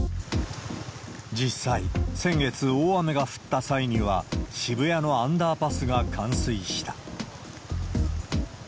実際、先月大雨が降った際には、渋谷のアンダーパスが冠水した。